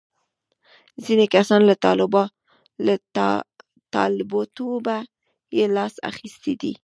ځینې کسان له طالبتوبه یې لاس اخیستی دی.